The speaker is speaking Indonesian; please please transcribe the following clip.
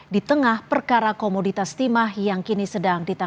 di tengah perkara komoditas timah yang kini sedang ditangani